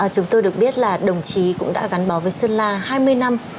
chúng tôi được biết là đồng chí cũng đã gắn bó với sơn la hai mươi năm